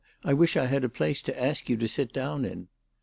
I wish I had a place to ask you to sit down in."